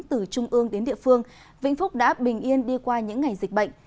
từ trung ương đến địa phương vĩnh phúc đã bình yên đi qua những ngày dịch bệnh